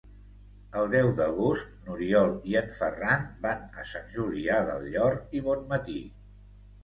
El deu d'agost n'Oriol i en Ferran van a Sant Julià del Llor i Bonmatí.